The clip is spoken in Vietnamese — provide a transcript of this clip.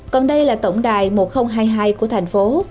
còn đây là tổng đài một nghìn hai mươi hai của thành phố